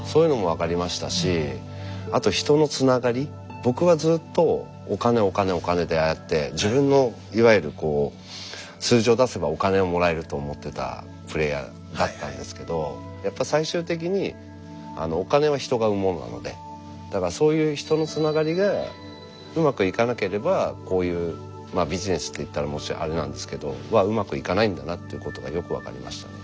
僕はずっとお金お金お金でああやって自分のいわゆる数字を出せばお金をもらえると思ってたプレーヤーだったんですけどやっぱ最終的にお金は人が生むものなのでだからそういう人のつながりがうまくいかなければこういうビジネスっていったらあれなんですけどうまくいかないんだなってことがよく分かりましたね。